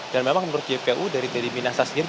dan memang menurut jpu dari teddy minasa sendiri